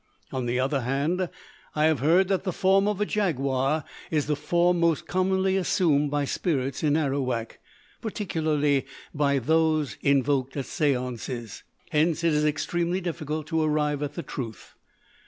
On the other hand, I have heard that the form of a jaguar is the form most commonly assumed by spirits in Arawak, particularly by those invoked at séances. Hence it is extremely difficult to arrive at the truth.